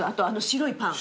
白いパン。